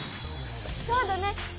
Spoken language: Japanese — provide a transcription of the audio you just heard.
そうだね！